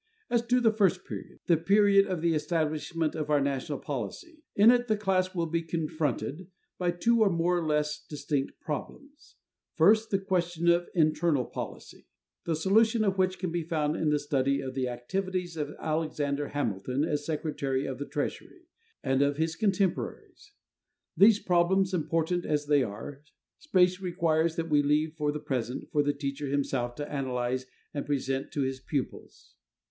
As to the first period the period of the establishment of our national policy in it the class will be confronted by two more or less distinct problems: first, the questions of internal policy, the solution of which can be found in the study of the activities of Alexander Hamilton as Secretary of the Treasury, and of his contemporaries. These problems, important as they are, space requires that we leave for the present for the teacher himself to analyze and present to his pupils.